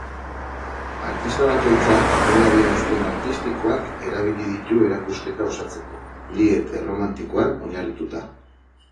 Artista bakoitzak bere adierazpen artistikoak erabili ditu erakusketa osatzeko, lied erromantikoan oinarrituta.